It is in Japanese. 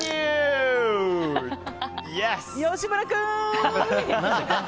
吉村君！